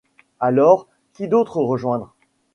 Alors, qui d’autre rejoindre?